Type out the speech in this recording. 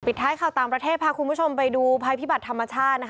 ท้ายข่าวต่างประเทศพาคุณผู้ชมไปดูภัยพิบัติธรรมชาติ